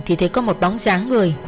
thì thấy có một bóng dáng người